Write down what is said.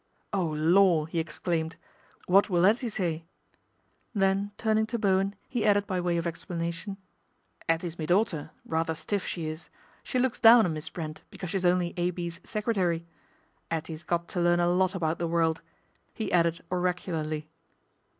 Oh Lor' !" he exclaimed. " What will 'Ettie say ?" Then turning to Bowen he added oy way of explanation, " 'Ettie's my daughter, rather stiff, she is. She looks down on Miss Brent because she's only A. B.'s secretary. 'Ettie's got to learn a lot about the world," he added oracu larly.